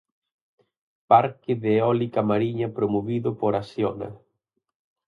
Parque de eólica mariña promovido por Acciona.